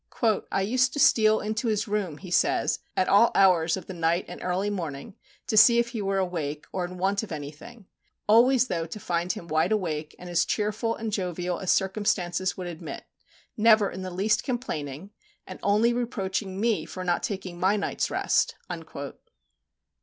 "I used to steal into his room," he says, "at all hours of the night and early morning, to see if he were awake, or in want of anything; always though to find him wide awake, and as cheerful and jovial as circumstances would admit never in the least complaining, and only reproaching me for not taking my night's rest."